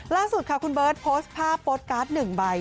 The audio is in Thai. ล่าสุดค่ะคุณเบิร์ตโพสต์ภาพโป๊ตการ์ด๑ใบ